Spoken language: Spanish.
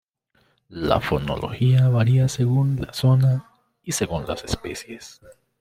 La fonología varía según la zona y según las especies.